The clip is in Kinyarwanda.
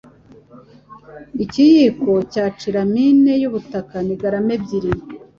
Ikiyiko cya cinamine y'ubutaka ni garama ebyiri.